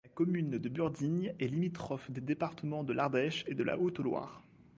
La commune de Burdignes est limitrophe des départements de l'Ardèche et de la Haute-Loire.